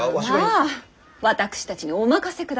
まあまあ私たちにお任せくだされ。